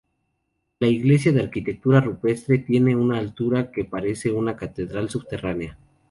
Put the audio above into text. La iglesia de arquitectura rupestre tiene una altura que parece una catedral subterránea.